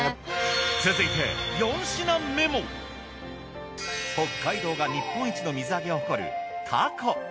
続いて４品目も北海道が日本一の水揚げを誇るたこ。